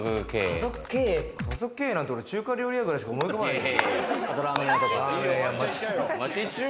家族経営なんて中華料理屋くらいしか思い浮かばないよ。